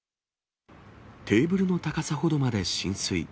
テーブルの高さほどまで浸水。